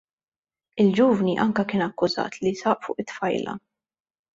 Il-ġuvni anke kien akkużat li saq fuq it-tfajla.